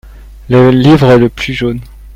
Le livre le plus jaune.